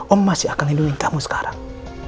om masih akan lindungi kamu sekarang